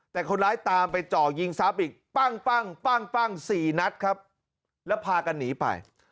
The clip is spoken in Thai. แต่คนร้ายตามไปเจาะยิงซ้าบอีกปั้งสี่นัดครับแล้วพากันหนีไป